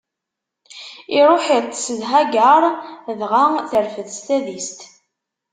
Iṛuḥ iṭṭeṣ d Hagaṛ, dɣa terfed s tadist.